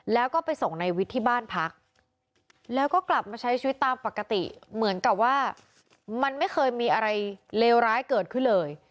แล้วก็ไปส่งในวิทย์ที่บ้านพักแล้วก็กลับมาใช้ชีวิตตามปกติเหมือนกับว่ามันไม่เคยมีอะไรเลวร้ายเกิดขึ้นเลย